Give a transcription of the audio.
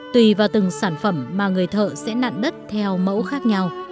tùy vào từng sản phẩm mà người thợ sẽ nặn đất theo mẫu khác nhau